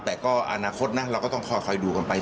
แต่ก็อนาคตนะเราก็ต้องคอยดูกันไป